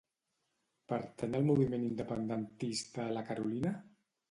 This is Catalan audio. Pertany al moviment independentista la Carolina?